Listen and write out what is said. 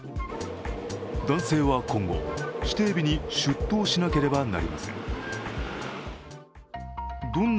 男性は今後、指定日に出頭しなければなりません。